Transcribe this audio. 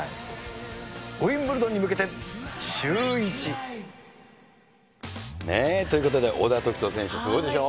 ウィンブルドンに向けて、シューイチ。ということで、小田凱人選手、すごいでしょ。